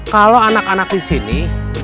kalau anak anak di sini